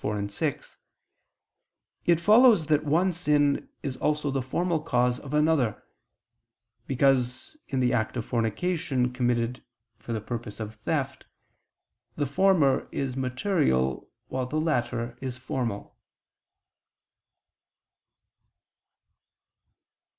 4, 6), it follows that one sin is also the formal cause of another: because in the act of fornication committed for the purpose of theft, the former is material while the latter is formal.